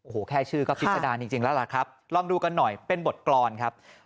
โอ้โหแค่ชื่อก็พิษดารจริงแล้วล่ะครับลองดูกันหน่อยเป็นบทกรรมครับ